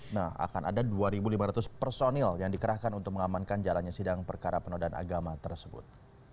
nah akan ada dua lima ratus personil yang dikerahkan untuk mengamankan jalannya sidang perkara penodaan agama tersebut